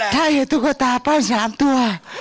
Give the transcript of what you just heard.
ถ้าเห็นตุ๊กตาปั้น๓ตัว